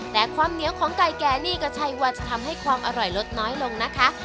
แต่ความเหนียวของไก่แก่นี่ก็ใช่ว่าจะทำให้ความอร่อยลดน้อยลงนะคะ